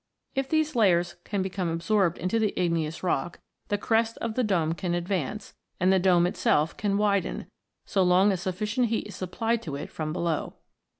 If these layers can become absorbed into the igneous rock, the crest of the dome can advance, and the dome itself can widen, so long as sufficient heat is supplied to it from below.